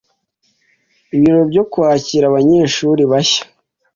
ibirori byo kwakira abanyeshuri bashya.